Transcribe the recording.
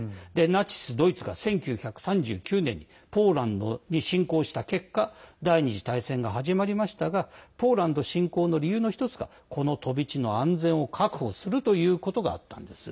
ナチス・ドイツが１９３９年にポーランドに侵攻した結果第２次大戦が始まりましたがポーランド侵攻の理由の１つがこの飛び地の安全を確保するということがあったんです。